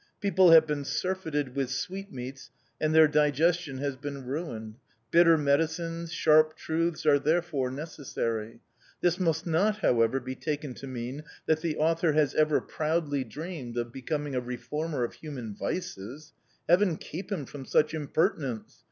People have been surfeited with sweetmeats and their digestion has been ruined: bitter medicines, sharp truths, are therefore necessary. This must not, however, be taken to mean that the author has ever proudly dreamed of becoming a reformer of human vices. Heaven keep him from such impertinence!